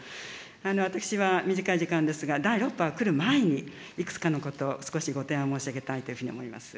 私は短い時間ですが、第６波が来る前に、いくつかのこと、少し申し上げたいというふうに思います。